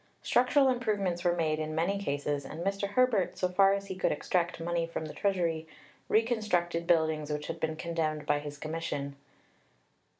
Structural improvements were made in many cases, and Mr. Herbert, so far as he could extract money from the Treasury, reconstructed buildings which had been condemned by his Commission.